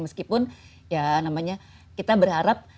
meskipun ya namanya kita berharap